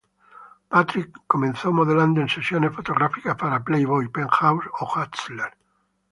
Patrick comenzó modelando en sesiones fotográficas para "Playboy", "Penthouse" o "Hustler".